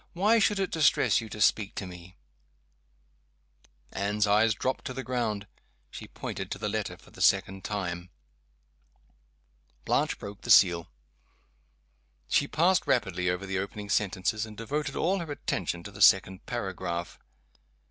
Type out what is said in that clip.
Why should it distress you to speak to me?" Anne's eyes dropped to the ground. She pointed to the letter for the second time. Blanche broke the seal. She passed rapidly over the opening sentences, and devoted all her attention to the second paragraph.